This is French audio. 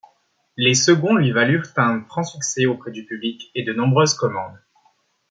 Les seconds lui valurent un franc succès auprès du public et de nombreuses commandes.